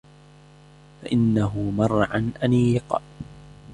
فَإِنَّهُ مَرْعًى أَنِيقٌ